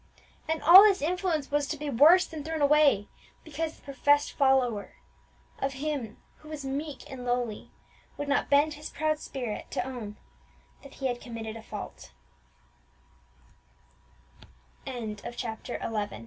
And all this influence was to be worse than thrown away, because the professed follower of Him who was meek and lowly would not bend his proud spirit to own that he had committed a fault! CHAPTER XII.